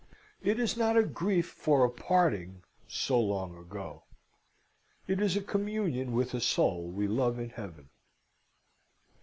It is not a grief for a parting so long ago; it is a communion with a soul we love in Heaven.